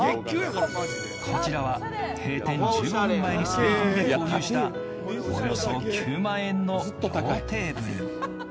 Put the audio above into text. こちらは閉店１５分前に滑り込みで購入した、およそ９万円のローテーブル。